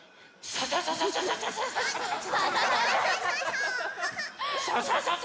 ササササササ。